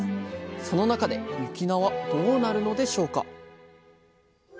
その中で雪菜はどうなるのでしょうか？